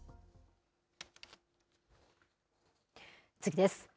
次です。